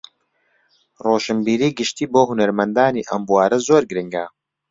ڕۆشنبیریی گشتی بۆ هونەرمەندانی ئەم بوارە زۆر گرنگە